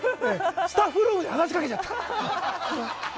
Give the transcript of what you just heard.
スタッフルームに話しかけちゃった。